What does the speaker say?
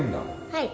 はい。